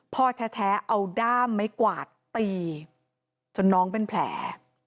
พ่อแท้เอาด้ามไม้กวาดตีจนน้องเป็นแผล